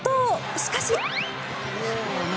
しかし。